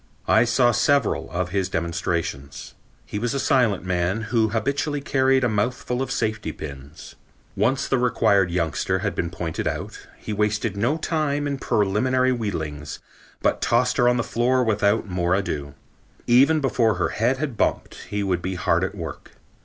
I saw several of his demonstrations. He was a silent man who habitually carried a mouthful of safety pins. Once the required youngster had been pointed out, he wasted no time in preliminary wheedlings but tossed her on the floor without more ado. Even before her head had bumped, he would be hard at work.